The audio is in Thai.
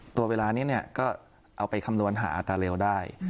ตัวเวลานี้ก็เอาไปคำนวณหาอัตราเร็วได้